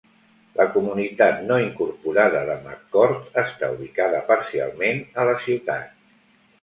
La comunitat no incorporada de McCord està ubicada parcialment a la ciutat.